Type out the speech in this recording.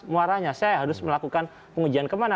muaranya saya harus melakukan pengujian kemana